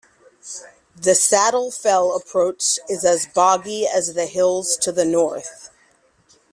The Saddle Fell approach is as boggy as the hills to the north.